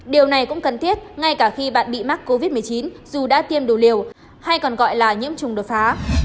điều này cũng cần thiết ngay cả khi bạn bị mắc covid một mươi chín dù đã tiêm đủ liều hay còn gọi là nhiễm trùng đột phá